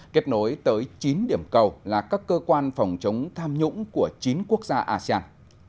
kết nối tới chín điểm cầu là các cơ quan phòng chống tham nhũng của chín quốc gia asean